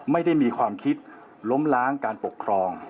ไม่ได้มีความคิดล้มล้างการปกครอง